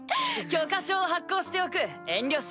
許可証を発行しておく遠慮するな。